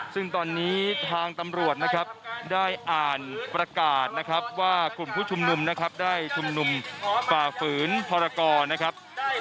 ซึ่งตอนนี้ทางตำรวจนะครับได้อ่านประกาศนะครับว่ากลุ่มผู้ชุมนุมนะครับได้ชุมนุมฝ่าฝืนพรกรนะครับ